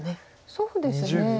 そうですね。